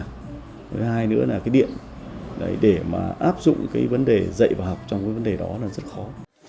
thứ hai nữa là cái điện để mà áp dụng cái vấn đề dạy và học trong cái vấn đề đó là rất khó